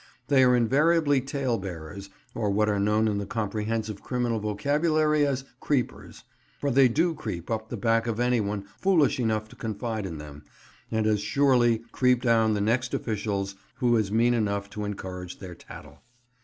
They are invariably tale bearers, or what are known in the comprehensive criminal vocabulary as "creepers," for they do creep up the back of any one foolish enough to confide in them, and as surely creep down the next official's who is mean enough to encourage their tattle.